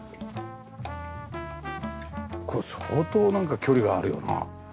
これ相当なんか距離があるよな。